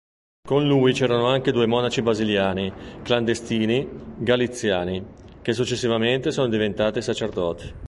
Con lui c'erano anche due monaci basiliani clandestini galiziani, che successivamente sono diventati sacerdoti.